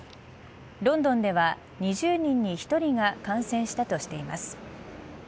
ロンドンでは２０人に１人が感染したとしています。